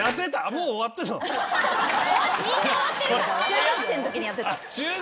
中学生のときにやってた。